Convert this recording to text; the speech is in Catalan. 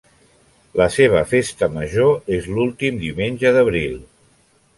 La seva festa major és l'últim diumenge d'abril.